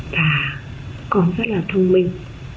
và còn rất là thông minh